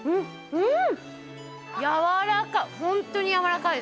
うん。